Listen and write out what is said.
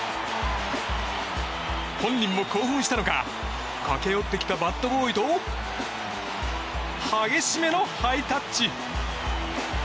本人も興奮したのか駆け寄ってきたバットボーイと激しめのハイタッチ。